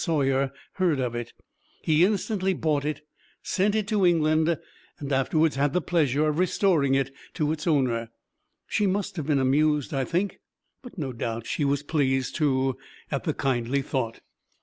Soyer heard of it; he instantly bought it, sent it to England, and afterwards had the pleasure of restoring it to its owner. She must have been amused, I think, but no doubt she was pleased, too, at the kindly thought.